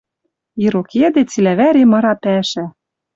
Ирок йӹде цилӓ вӓре мыра пӓшӓ —